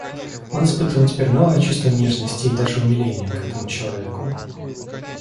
Он испытывал теперь новое чувство нежности и даже умиления к этому человеку.